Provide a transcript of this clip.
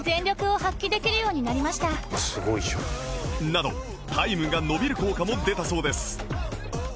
などタイムが伸びる効果も出たそうです